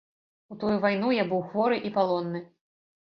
У тую вайну я быў хворы і палонны.